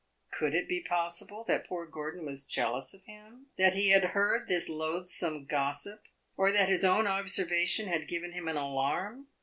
Could it be possible that poor Gordon was jealous of him, that he had heard this loathsome gossip, or that his own observation had given him an alarm?